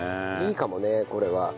いいかもねこれは。